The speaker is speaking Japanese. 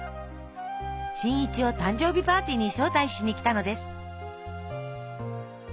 新一を誕生日パーティーに招待しに来たのです。